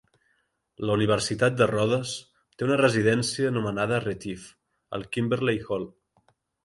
La Universitat de Rodes té una residència anomenada Retief, al Kimberley Hall.